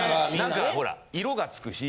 何かほら色がつくし。